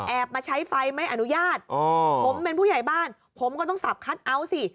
มาใช้ไฟไม่อนุญาตผมเป็นผู้ใหญ่บ้านผมก็ต้องสับคัทเอาท์สิ